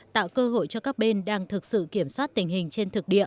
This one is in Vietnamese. tạo cơ hội cho các bên đang thực sự kiểm soát tình hình trên thực địa